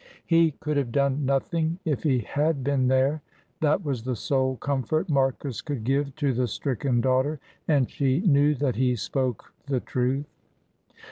He could have done nothing if he had been there. That was the sole comfort Marcus could give to the stricken daughter, and she knew that he spoke the truth.